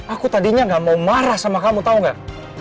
aku tadinya gak mau marah sama kamu tau gak